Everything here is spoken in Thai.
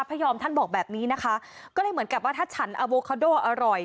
พระยอมท่านบอกแบบนี้นะคะก็เลยเหมือนกับว่าถ้าฉันอโวคาโดอร่อย